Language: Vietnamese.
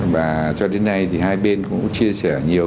và cho đến nay thì hai bên cũng chia sẻ nhiều